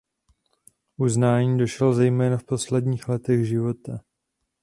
Uznání došel zejména v posledních letech života.